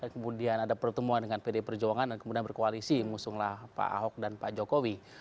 kemudian ada pertemuan dengan pd perjuangan dan kemudian berkoalisi mengusunglah pak ahok dan pak jokowi